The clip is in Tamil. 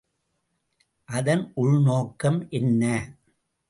அதன் உள் நோக்கம் என்ன?